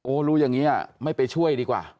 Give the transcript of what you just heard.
รู้อย่างนี้ไม่ไปช่วยดีกว่า